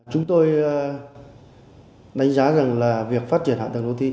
chúng tôi đánh giá rằng là việc phát triển hạ tầng đô thị